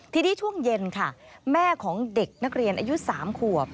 ทีนี้ช่วงเย็นค่ะแม่ของเด็กนักเรียนอายุ๓ขวบ